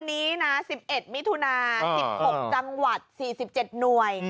วันนี้นะ๑๑มิถุนา๑๖จังหวัด๔๗หน่วย